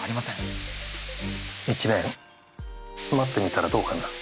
１年待ってみたらどうかな？